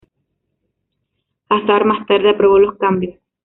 Hazard, más tarde, aprobó los cambios.